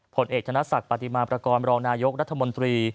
ผลเอกธนศักดิ์ปฏิมาประกอบรองนายกรัฐมนตรี